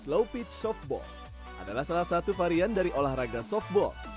slow pitch softball adalah salah satu varian dari olahraga softball